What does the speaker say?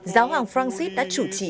giáo hoàng francis đã chủ trì